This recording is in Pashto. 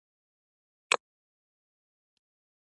پرون مدح وه، نن سپکاوی دی.